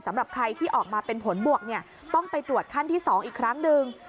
สำหรับใครที่ออกมาเป็นผลบวกต้องไปตรวจขั้นที่๒อีกครั้งหนึ่ง